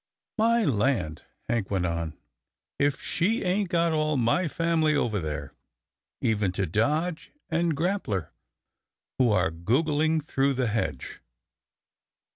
" My land !" Hank went on, " if she ain't got all my family over there, even to Dodge and Grappler who are goggling through the hedge."